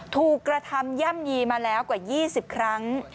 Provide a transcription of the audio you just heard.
ถูกกระทำย่ำยีมาแล้วกว่า๒๐ครั้ง